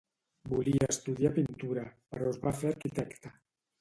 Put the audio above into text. Volia estudiar pintura, però es va fer arquitecte.